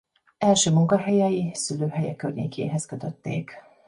Első munkahelyei szülőhelye környékéhez kötötték.